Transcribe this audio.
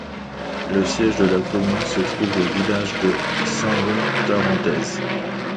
Le siège de la commune se trouve au village de Saint-Bon-Tarentaise.